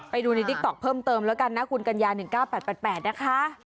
ไปดูในติ๊กต๊อกเพิ่มเติมแล้วกันนะคุณกัญญา๑๙๘๘นะคะ